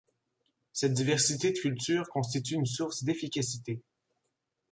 Cette diversité de culture constitue une source d'efficacité.